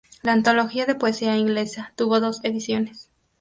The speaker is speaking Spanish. La antología de poesía inglesa tuvo dos ediciones.